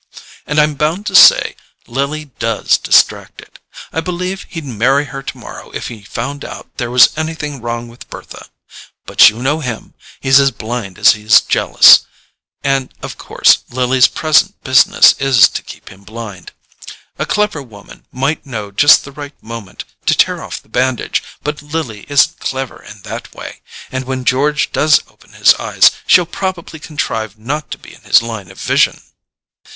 And I'm bound to say Lily DOES distract it: I believe he'd marry her tomorrow if he found out there was anything wrong with Bertha. But you know him—he's as blind as he's jealous; and of course Lily's present business is to keep him blind. A clever woman might know just the right moment to tear off the bandage: but Lily isn't clever in that way, and when George does open his eyes she'll probably contrive not to be in his line of vision."